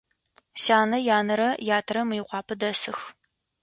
Сянэ янэрэ ятэрэ Мыекъуапэ дэсых.